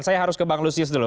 saya harus ke bang lusius dulu